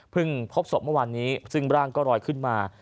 พบศพเมื่อวานนี้ซึ่งร่างก็รอยขึ้นมา